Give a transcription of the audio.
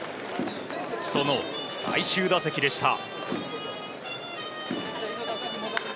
その最終打席でした。